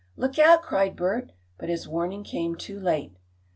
"Look out!" cried Bert, but his warning came too late.